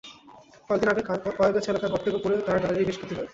কয়েক দিন আগে কয়ারগাছি এলাকায় গর্তে পড়ে তাঁর গাড়ির বেশ ক্ষতি হয়।